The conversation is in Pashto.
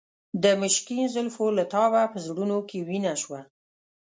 د مشکین زلفو له تابه په زړونو کې وینه شوه.